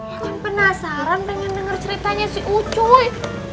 kan penasaran dengan denger ceritanya si ucuy